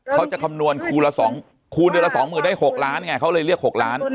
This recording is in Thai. เขาจะคำนวณคูณละ๒๐๐๐๐ได้๖ล้านไงเขาเลยเรียก๖ล้าน